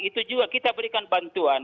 itu juga kita berikan bantuan